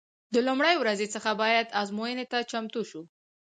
د لومړۍ ورځې څخه باید ازموینې ته چمتو شو.